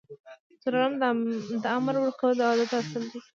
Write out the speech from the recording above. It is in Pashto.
څلورم د امر ورکولو د وحدت اصل دی.